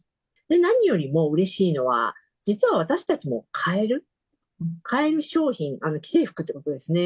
何よりもうれしいのは、実は私たちも買える、買える商品、既製服ってことですね。